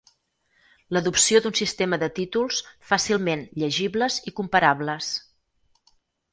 L'adopció d'un sistema de títols fàcilment llegibles i comparables